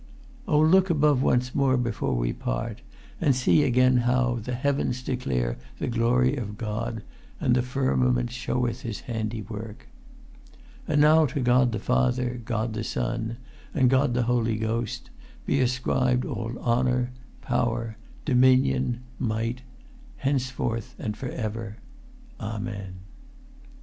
. "O look above once more before we part, and see again how 'The heavens declare the glory of God; and the firmament sheweth his handywork.' "And now to God the Father, God the Son, and God the Holy Ghost, be ascribed all honour, power, dominion, might, henceforth and for ever. Amen."